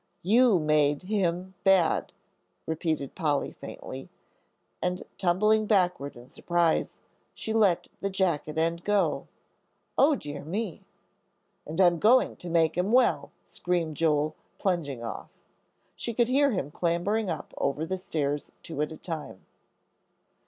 "You made him bad," repeated Polly, faintly, and, tumbling backward in surprise, she let the jacket end go. "O dear me!" "And I'm going to make him well," screamed Joel, plunging off. She could hear him clambering up over the stairs two at a time.